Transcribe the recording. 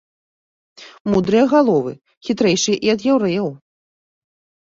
Мудрыя галовы, хітрэйшыя і ад яўрэяў.